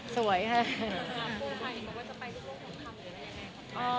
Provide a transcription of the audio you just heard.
สวยค่ะ